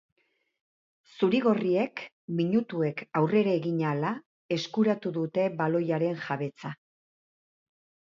Zuri-gorriek minutuek aurrera egin ahala eskuratu dute baloiaren-jabetza.